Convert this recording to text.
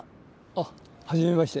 あっはじめまして。